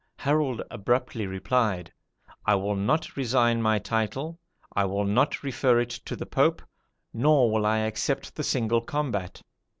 Harold abruptly replied, 'I will not resign my title, I will not refer it to the Pope, nor will I accept the single combat.'